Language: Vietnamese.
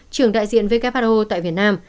trưởng đại diện who tại việt nam